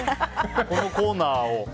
このコーナーを。